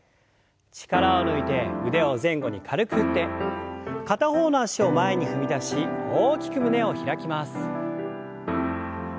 力を抜いて腕を前後に軽く振って片方の脚を前に踏み出し大きく胸を開きます。